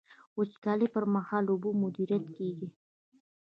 د وچکالۍ پر مهال اوبه مدیریت کیږي.